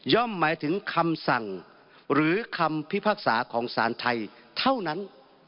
หมายถึงคำสั่งหรือคำพิพากษาของสารไทยเท่านั้น